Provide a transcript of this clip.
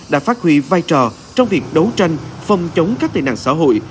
đã phát huy vai trò trong việc đấu tranh phòng chống các tài năng xã hội